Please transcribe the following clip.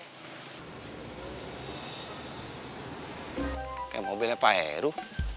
pake mobilnya pak heru